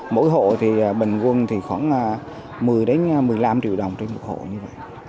mỗi hộ thì bình quân khoảng một mươi đến một mươi năm triệu đồng trên một hộ như vậy